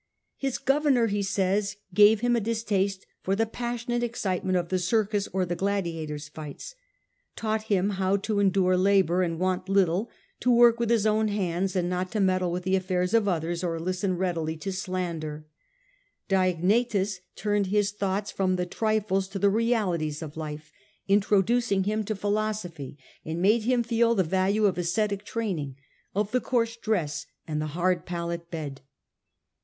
His governor, he says, gave him a distaste for the passionate excitement of the circus or the gladiators' fights, Medit. I. taught him to ' endure labour, and want little ; to work with his own hands, and not to meddle with the affairs of others, or listen readily to slander,* Diognetus turned his thoughts from the trifles to the realities of life, introduced him to philosophy, and made him feel the value of ascetic training, of the coarse dress and the hard pallet bed.